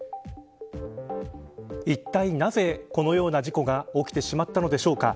いったいなぜ、このような事故が起きてしまったのでしょうか。